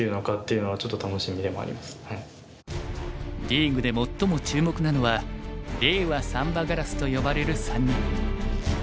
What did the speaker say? リーグで最も注目なのは令和三羽烏と呼ばれる３人。